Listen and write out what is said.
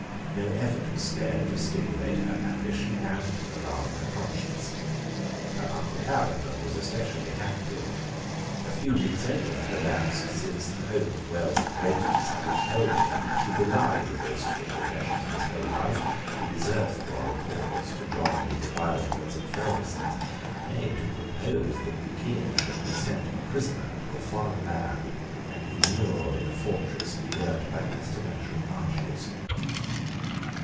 No effort was spared to stimulate her ambition, and to alarm her conscience. Her uncle Clarendon was especially active. A few weeks only had elapsed since the hope of wealth and greatness had impelled him to bely the boastful professions of his whole life, to desert the royal cause, to join with the Wildmans and Fergusons, nay, to propose that the King should be sent a prisoner to a foreign land and immured in a fortress begirt by pestilential marshes.